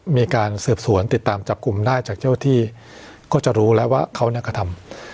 มีการสืบสวนติดตามจับกลุ่มได้จากเจ้าที่ก็จะรู้แล้วว่าเขาเนี่ยกระทำ